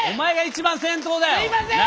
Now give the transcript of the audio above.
すいません！